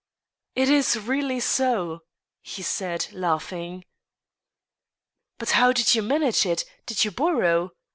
" It is really so," he said, laughing. " But how did you manage it ? Did you borrow